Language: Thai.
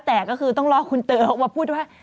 แต่ก็คือต้องรอคุณเต๋อออกมาพูดว่า